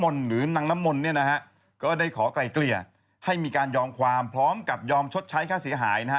หรือนางน้ำมนต์เนี่ยนะฮะก็ได้ขอไกลเกลี่ยให้มีการยอมความพร้อมกับยอมชดใช้ค่าเสียหายนะฮะ